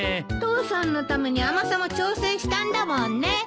父さんのために甘さも調整したんだもんね。